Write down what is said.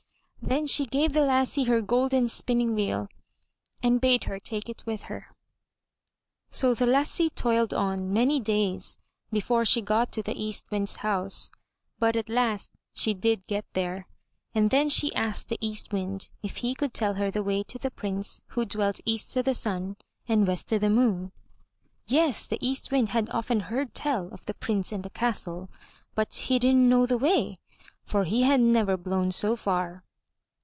Then she gave the lassie her golden spinning wheel, and bade her take it with her. So the lassie toiled on many days before she got to the East Wind's house, but at last she did get there, and then she asked the East Wind if he could tell her the way to the Prince who dwelt EAST O' THE SUN AND WEST O' THE MOON. Yes, the East Wind had often heard tell of the Prince and the castle, but he didn't know the way, for he had never blown so far.